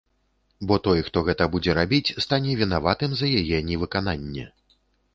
Бо той, хто гэта будзе рабіць, стане вінаватым за яе невыкананне.